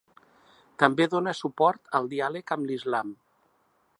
També dona suport al diàleg amb l'Islam.